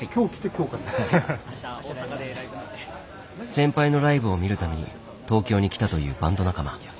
先輩のライブを見るために東京に来たというバンド仲間。